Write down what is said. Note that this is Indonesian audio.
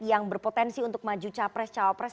yang berpotensi untuk maju capres cawapres